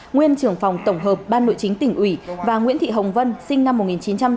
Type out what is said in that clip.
nguyên trưởng phòng tổng hợp ban nội chính tỉnh ủy và nguyễn thị hồng vân sinh năm một nghìn chín trăm tám mươi